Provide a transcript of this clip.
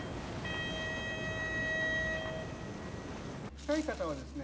近い方はですね